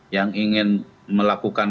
yang ingin melakukan